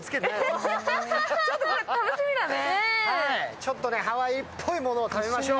ちょっとね、ハワイっぽいものを食べましょう。